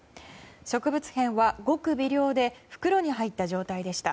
植物片はごく微量で袋に入った状態でした。